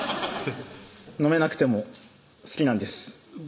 飲めなくても好きなんです